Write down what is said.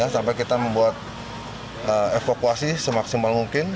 sampai kita membuat evakuasi semaksimal mungkin